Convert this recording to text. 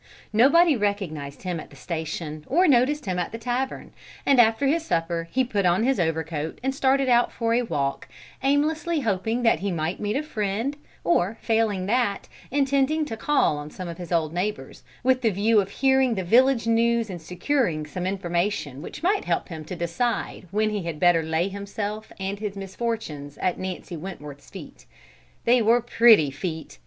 Nobody recognized him at the station or noticed him at the tavern, and after his supper he put on his overcoat and started out for a walk, aimlessly hoping that he might meet a friend, or failing that, intending to call on some of his old neighbours, with the view of hearing the village news and securing some information which might help him to decide when he had better lay himself and his misfortunes at Nancy Wentworth's feet. They were pretty feet!